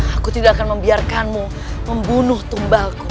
aku tidak akan membiarkanmu membunuh tumbalku